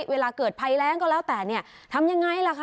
เวลาเกิดภัยแรงก็แล้วแต่เนี่ยทำยังไงล่ะคะ